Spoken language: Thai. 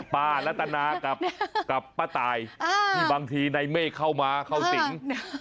รัตนากับป้าตายที่บางทีในเมฆเข้ามาเข้าสิง